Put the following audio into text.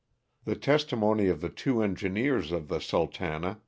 The testimony of the two engineers of the ' Sultana.'